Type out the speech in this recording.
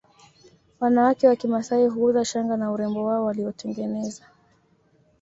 Wanawake wa kimasai huuza shanga na urembo wao waliotengeneza